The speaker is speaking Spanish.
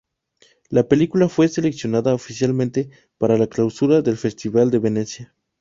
La película fue seleccionada oficialmente para la clausura del Festival de Venecia.